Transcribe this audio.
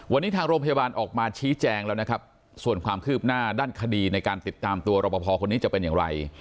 วันนี้ทางโรงพยาบาลออกมาชี้แจงแล้วนะครับส่วนความคืบหน้าด้านคดีในการติดตามตัวรอปภคนนี้จะเป็นอย่างไร